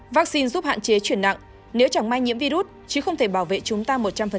vaccine giúp hạn chế chuyển nặng nếu chẳng may nhiễm virus chứ không thể bảo vệ chúng ta một trăm linh